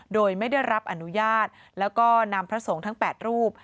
โดยไม่ได้รับอนุญาตแล้วก็นำพระสงฆ์ทั้ง๘รูป